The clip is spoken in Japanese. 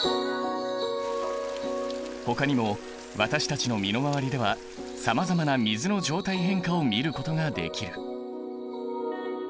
ほかにも私たちの身の回りではさまざまな水の状態変化を見ることができる。